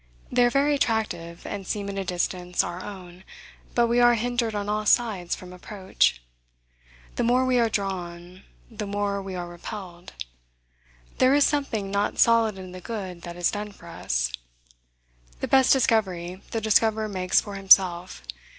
They are very attractive, and seem at a distance our own: but we are hindered on all sides from approach. The more we are drawn, the more we are repelled. There is something not solid in the good that is done for us. The best discovery the discoverer makes for himself.